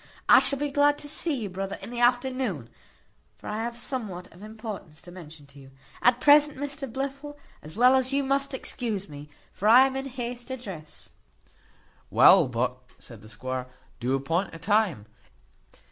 I shall be glad to see you, brother, in the afternoon; for I have somewhat of importance to mention to you. At present, Mr Blifil, as well as you, must excuse me; for I am in haste to dress." "Well, but," said the squire, "do appoint a time."